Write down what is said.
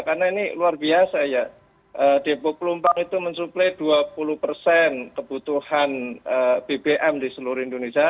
karena ini luar biasa ya depok plumpang itu mensuplai dua puluh kebutuhan bbm di seluruh indonesia